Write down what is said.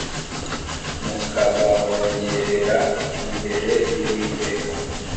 mukabahongererera imbere y Uwiteka